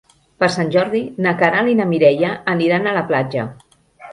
Per Sant Jordi na Queralt i na Mireia aniran a la platja.